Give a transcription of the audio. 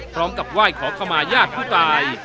พร้อมกับไหว้ขอขมาญาติผู้ตาย